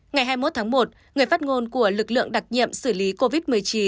ngày hai mươi một tháng một người phát ngôn của lực lượng đặc nhiệm xử lý covid một mươi chín